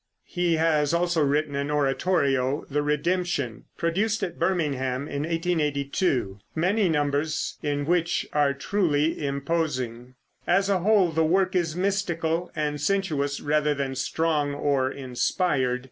He has also written an oratorio, "The Redemption," produced at Birmingham in 1882, many numbers in which are truly imposing. As a whole the work is mystical and sensuous, rather than strong or inspired.